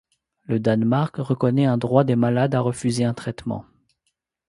Le Danemark reconnaît un droit des malades à refuser un traitement.